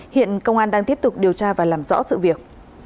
hiện công an đang tiếp tục điều tra và làm rõ sự việc